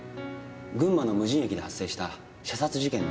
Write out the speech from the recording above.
群馬の無人駅で発生した射殺事件の被害者です。